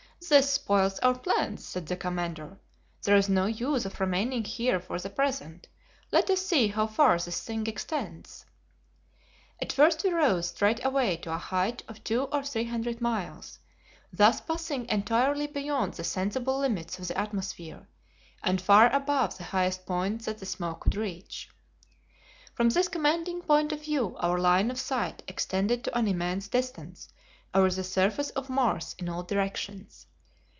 "This spoils our plans," said the commander. "There is no use of remaining here for the present; let us see how far this thing extends." At first we rose straight away to a height of 200 or 300 miles, thus passing entirely beyond the sensible limits of the atmosphere, and far above the highest point that the smoke could reach. From this commanding point of view our line of sight extended to an immense distance over the surface of Mars in all directions.